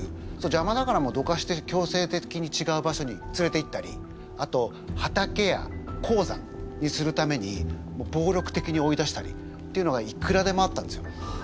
じゃまだからどかして強制的にちがう場所に連れていったりあと畑や鉱山にするためにぼうりょく的に追い出したりっていうのがいくらでもあったんですよ。